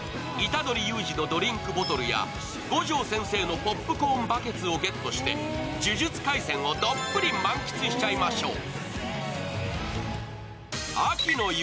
虎杖悠仁のドリンクボトルや五条先生のポップコーンバケツをゲットして「呪術廻戦」をどっぷり満喫しちゃいましょう。